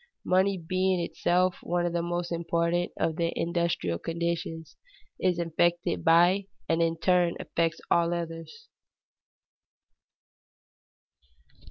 Money being itself one of the most important of the industrial conditions, is affected by and in turn affects all others.